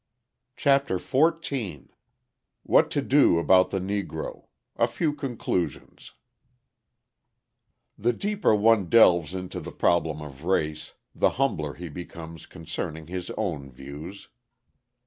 CHAPTER XIV WHAT TO DO ABOUT THE NEGRO A FEW CONCLUSIONS The deeper one delves into the problem of race, the humbler he becomes concerning his own views.